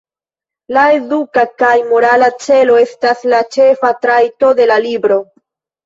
La eduka kaj morala celo estas la ĉefa trajto de la libro.